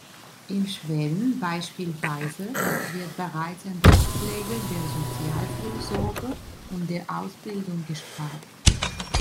In Schweden beispielsweise wird bereits an der Pflege, der Sozialfürsorge und der Ausbildung gespart.